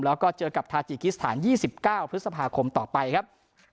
แล้วก็เจอกับทาจิกิสถาน๒๙พฤษภาคมต่อไปครับ